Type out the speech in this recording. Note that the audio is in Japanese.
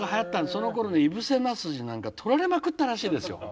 そのころね井伏二なんかとられまくったらしいですよ。